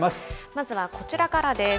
まずはこちらからです。